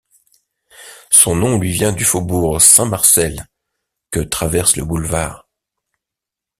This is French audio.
Son nom lui vient du faubourg Saint-Marcel que traverse le boulevard.